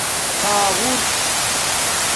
ݼاغُݸر